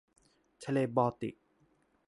ทะเลบอลติก